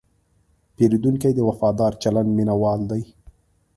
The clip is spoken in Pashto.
پیرودونکی د وفادار چلند مینهوال دی.